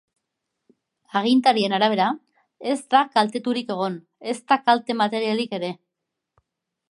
Agintarien arabera, ez da kalteturik egon, ezta kalte materialik ere.